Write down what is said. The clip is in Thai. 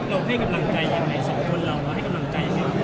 เราให้กำลังใจอย่างไรสองคนเราให้กำลังใจอย่างไร